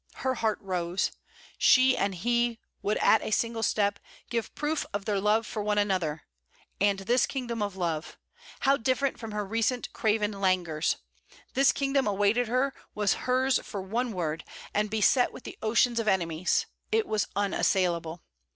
Her heart rose. She and he would at a single step give proof of their love for one another and this kingdom of love how different from her recent craven languors! this kingdom awaited her, was hers for one word; and beset with the oceans of enemies, it was unassailable.